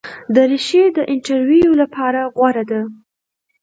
دریشي د انټرویو لپاره غوره ده.